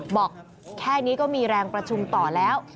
บอกแค่นี้ก็มีแรงประชุมต่อแล้ว